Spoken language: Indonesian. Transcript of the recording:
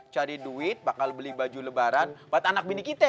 cari duit bakal beli baju lebaran buat anak bini kita